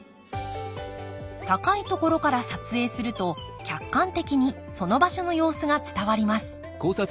高い所から撮影すると客観的にその場所の様子が伝わります。